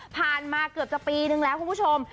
มาเกือบจะปีนึงแล้วคุณผู้ชม